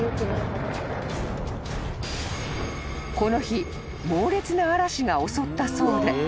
［この日猛烈な嵐が襲ったそうで］